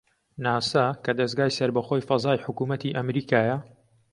ناسا کە دەزگای سەربەخۆی فەزای حکوومەتی ئەمریکایە